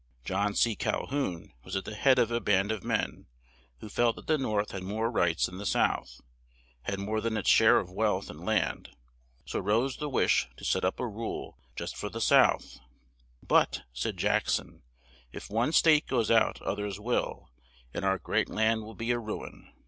John C. Cal houn was at the head of a band of men, who felt that the North had more rights than the South; had more than its share of wealth and land; so rose the wish to set up a rule just for the South. "But," said Jack son, "if one state goes out oth ers will; and our great land will be a ru in."